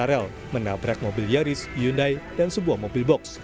krl menabrak mobil yaris hyundai dan sebuah mobil box